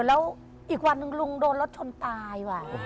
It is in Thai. แล้วอีกวันหนึ่งลุงโดนรถชนตายว่ะ